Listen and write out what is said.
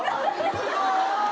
すごい！